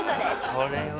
これは。